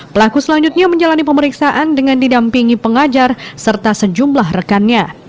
pelaku selanjutnya menjalani pemeriksaan dengan didampingi pengajar serta sejumlah rekannya